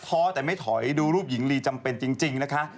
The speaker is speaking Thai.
แต่ไม่ถอยดูรูปหญิงลีจำเป็นจริงนะคะ